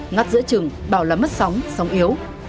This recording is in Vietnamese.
ngắt giữa chừng bảo là mất sóng sóng yếu